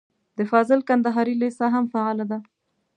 د فاضل کندهاري لېسه هم فعاله ده.